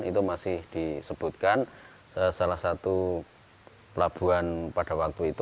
itu masih disebutkan salah satu pelabuhan pada waktu itu